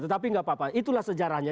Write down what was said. tetapi nggak apa apa itulah sejarahnya